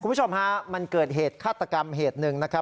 คุณผู้ชมฮะมันเกิดเหตุฆาตกรรมเหตุหนึ่งนะครับ